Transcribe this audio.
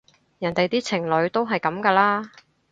人哋啲情侶都係噉㗎啦